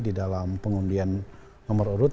di dalam pengundian nomor urut